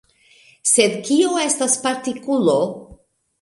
Sed kio estas partikulo?